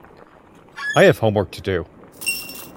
I have homework to do.